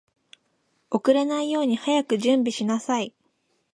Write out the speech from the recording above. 遅れないように早く準備しなさい